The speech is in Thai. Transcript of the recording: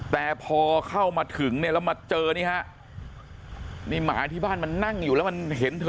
แต่พอเข้ามาถึงเนี่ยแล้วมาเจอนี่ฮะนี่หมาที่บ้านมันนั่งอยู่แล้วมันเห็นเธอ